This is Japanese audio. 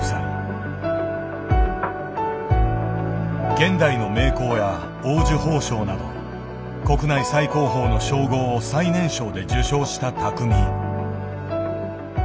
現代の名工や黄綬褒章など国内最高峰の称号を最年少で受しょうした匠。